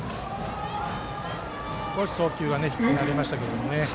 少し送球が低くなりましたけどね。